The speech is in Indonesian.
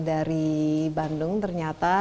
dari bandung ternyata